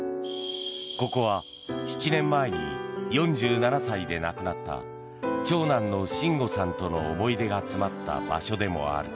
ここは７年前に４７歳で亡くなった長男の真吾さんとの思い出が詰まった場所でもある。